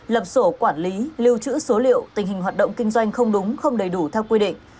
lập sổ quản lý lưu trữ số liệu tình hình hoạt động kinh doanh không đúng không đầy đủ theo quy định